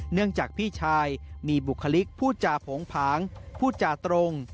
เนื่องจากพี่ชายมีบุคลิกพูดจาโผงผางพูดจาตรง